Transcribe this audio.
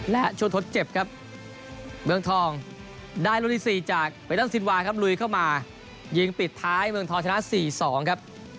และช่วงทดเจ็บครับเมืองทองได้รุ่นที่๔จากเวดดัลซินวาครับลุยเข้ามายิงปิดท้ายเมืองทองชนะ๔๒ครับ